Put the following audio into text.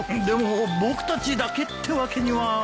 でも僕たちだけってわけには。